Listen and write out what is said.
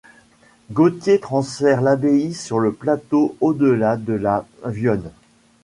Gauthier transfère l’abbaye sur le plateau au-delà de la Viosne.